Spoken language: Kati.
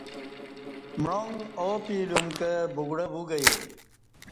معانگ ا و پی لیوم کہ بگڑ ہ وو گئے